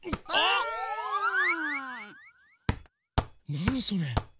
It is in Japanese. なにそれ？